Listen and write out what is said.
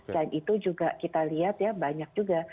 dan itu juga kita lihat ya banyak juga